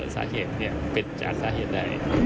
สาเหตุเป็นจากสาเหตุใด